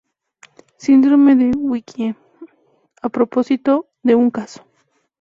Síndrome de Wilkie: a propósito de un caso.